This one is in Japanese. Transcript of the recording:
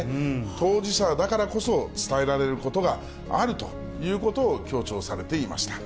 当事者だからこそ伝えられることがあるということを強調されていました。